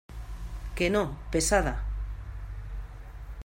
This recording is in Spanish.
¡ que no, pesada!